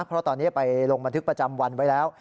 เพราะตอนนี้ไปลงบันทึกประจำวันไว้แล้ว